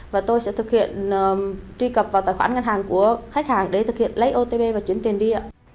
và tôi sẽ thực hiện truy cập vào tài khoản ngân hàng của khách hàng để thực hiện lấy otp và chuyển tiền đi ạ